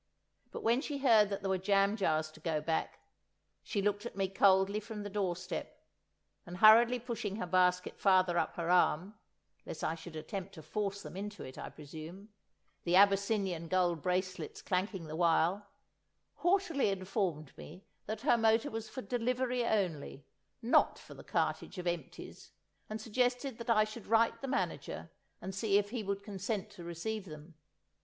But when she heard that there were jam jars to go back, she looked at me coldly from the doorstep, and hurriedly pushing her basket further up her arm (lest I should attempt to force them into it, I presume), the Abyssinian gold bracelets clanking the while, haughtily informed me that her motor was for delivery only, not for the cartage of empties, and suggested that I should write the manager and see if he would consent to receive them.